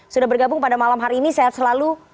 sudah bergabung pada malam hari ini sehat selalu